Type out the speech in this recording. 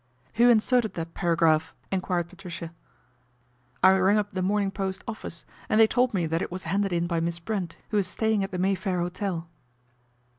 " Who inserted that paragraph ?" enquired Patricia. " I rang up The Morning Post office and they told me that it was handed in by Miss Brent, who is staying at the Mayfair Hotel."